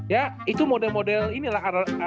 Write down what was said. ya itu model model inilah